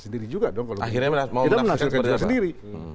sendiri juga akhirnya mau menafsirkan kepada mereka